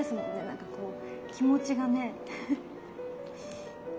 何かこう気持ちがね。